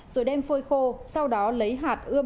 rồi đem phôi khô sau đó lấy hạt ươm